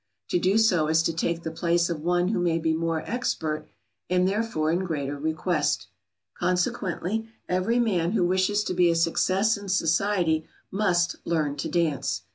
To do so is to take the place of one who may be more expert and therefore in greater request. Consequently, every man who wishes to be a success in society must learn to dance.